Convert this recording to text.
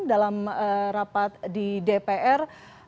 dalam rapat di dpr